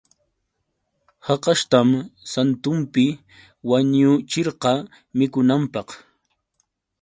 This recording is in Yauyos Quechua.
Hakashtam santunpi wañuchirqa mikunanpaq.